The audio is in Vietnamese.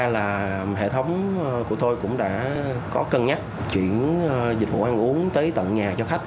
là hệ thống của tôi cũng đã có cân nhắc chuyển dịch vụ ăn uống tới tận nhà cho khách